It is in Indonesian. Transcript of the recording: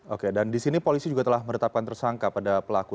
oke dan di sini polisi juga telah menetapkan tersangka pada pelaku